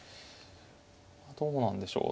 どうなんでしょう。